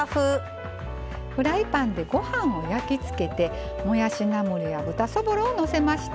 フライパンでご飯を焼き付けてもやしナムルや豚そぼろをのせました。